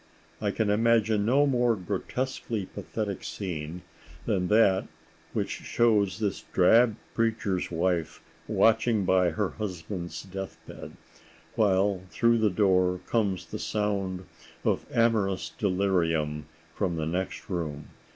I can imagine no more grotesquely pathetic scene than that which shows this drab preacher's wife watching by her husband's deathbed—while through the door comes the sound of amorous delirium from the next room.